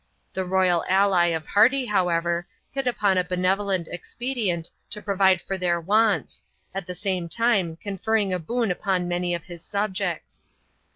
The royal ally of however, hit upon a benevolent expedient to pro>ade r wants, at the same time conferring a boon upon many subjects.